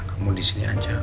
kamu disini aja